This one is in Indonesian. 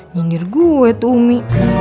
jendir gue tuh umi